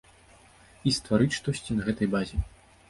І стварыць штосьці на гэтай базе.